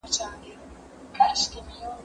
زه له سهاره لوبه کوم!؟